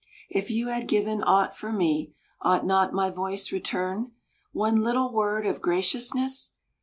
If you have given aught for me, Ought not my voice return One little word of graciousness?